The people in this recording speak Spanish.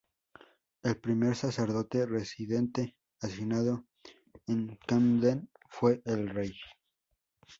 El primer sacerdote residente asignado a Camden fue el Rev.